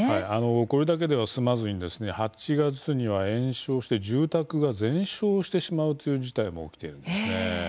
これだけでは済まずに８月には住宅に延焼して全焼してしまうという事態も起きているんですね。